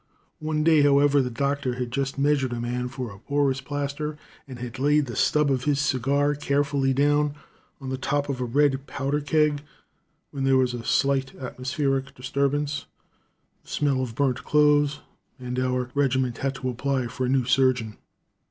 One day, however, the doctor had just measured a man for a porus plaster, and had laid the stub of his cigar carefully down on the top of a red powder keg, when there was a slight atmospheric disturbance, the smell of burnt clothes, and our regiment had to apply for a new surgeon.